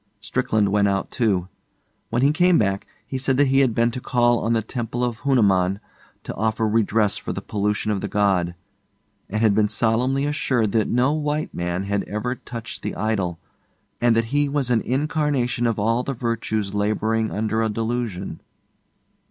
Strickland went out too. When he came back, he said that he had been to call on the Temple of Hanuman to offer redress for the pollution of the god, and had been solemnly assured that no white man had ever touched the idol and that he was an incarnation of all the virtues labouring under a delusion.